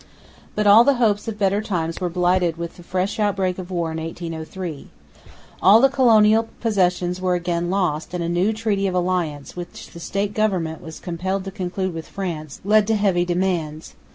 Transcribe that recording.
But all the hopes of better times were blighted with the fresh outbreak of war in 1803. All the colonial possessions were again lost; and a new treaty of alliance, which the State Government was compelled to conclude with France, led to heavy demands.